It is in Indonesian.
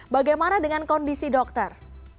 bagaimana dengan kondisi dokter